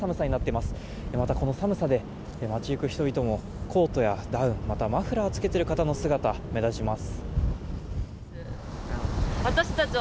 また、この寒さで街行く人々もコートやダウン、またマフラーを着けている方の姿が目立ちます。